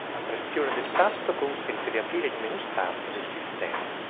La pressione del tasto consente di aprire il menu Start del sistema.